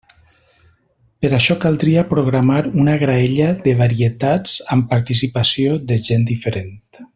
Per això caldria programar una graella de varietats amb participació de gent diferent.